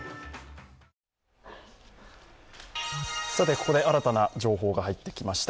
ここで新たな情報が入ってきました。